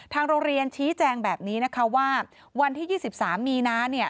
ทางโรงเรียนชี้แจงแบบนี้นะคะว่าวันที่๒๓มีนาเนี่ย